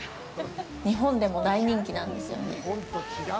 日本でも大人気なんですよね